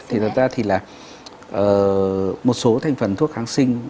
thì thật ra thì là một số thành phần thuốc kháng sinh